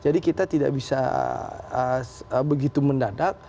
jadi kita tidak bisa begitu mendadak